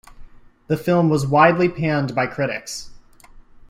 The film was widely panned by critics.